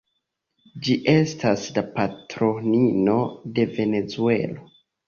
Ĝi estas la patronino de Venezuelo.